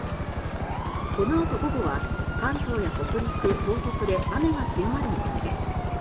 このあと午後は、関東や北陸東北で雨が強まる見込みです。